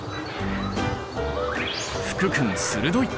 福君鋭い！